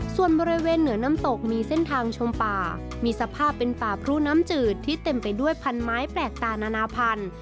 ส่วนบริเวณเหนือน้ำตกมีเส้นทางชมป่ามีสภาพเป็นป่าพรุน้ำจืดที่เต็มไปด้วยพันไม้แปลกตานานาพันธุ์